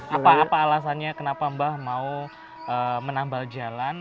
apa alasannya kenapa mbah mau menambal jalan